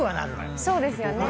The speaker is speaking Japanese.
そうですよね。